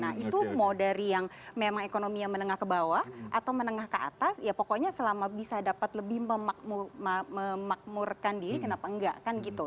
nah itu mau dari yang memang ekonomi yang menengah ke bawah atau menengah ke atas ya pokoknya selama bisa dapat lebih memakmurkan diri kenapa enggak kan gitu